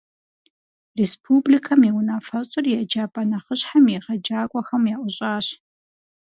Республикэм и Унафэщӏыр еджапӏэ нэхъыщхьэм и егъэджакӏуэхэм яӏущӏащ.